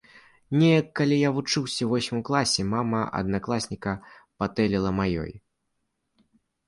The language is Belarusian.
Неяк, калі я вучылася ў восьмым класе, мама аднакласніка патэліла маёй.